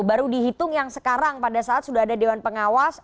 baru dihitung yang sekarang pada saat sudah ada dewan pengawas